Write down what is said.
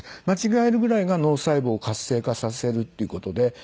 間違えるぐらいが脳細胞を活性化させるっていう事で。